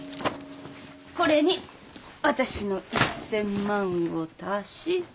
これに私の１，０００万を足して。